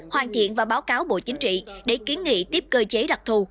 hoàn thiện và báo cáo bộ chính trị để kiến nghị tiếp cơ chế đặc thù